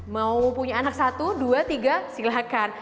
mau punya anak satu dua tiga silakan